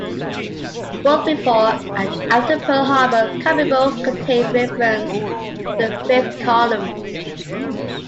Both before and after Pearl Harbor, comic books contained references to the Fifth column.